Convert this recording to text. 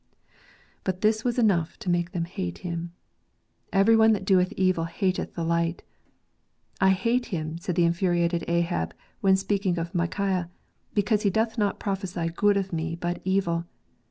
But this was enough to make them hate him. " Every one that doeth evil hateth the light." " I hate him," said the infuri ated Ahab when speaking of Micaiah, " because he doth not prophesy good of me, but evil."